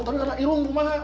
tadi ada irung rumah